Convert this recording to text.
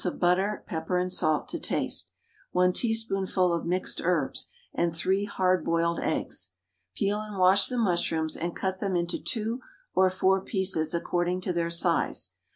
of butter, pepper and salt to taste, 1 teaspoonful of mixed herbs, and 3 hard boiled eggs. Peel and wash the mushrooms, and cut them into 2 or 4 pieces, according to their size.